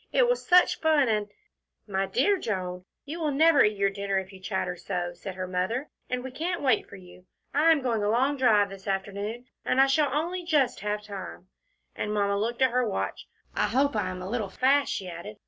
It was such fun, and " "My dear Joan, you will never eat your dinner if you chatter so," said her mother, "and we can't wait for you. I am going a long drive this afternoon, and I shall only just have time," and Mamma looked at her watch. "I hope I am a little fast," she added.